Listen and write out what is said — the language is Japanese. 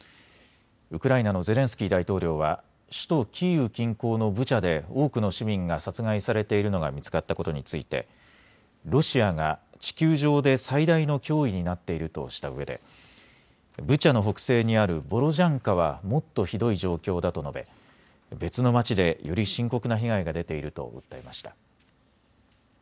ウクライナのゼレンスキー大統領は首都キーウ近郊のブチャで多くの市民が殺害されているのが見つかったことについてロシアが地球上で最大の脅威になっているとしたうえでブチャの北西にあるボロジャンカはもっとひどい状況だと述べ別の町でより深刻な被害が出ていると訴えました。